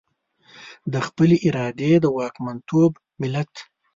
د خپلې ارادې د واکمنتوب ملت.